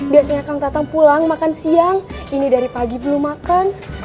biasanya kang tatang pulang makan siang ini dari pagi belum makan